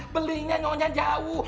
belinya nyonya jauh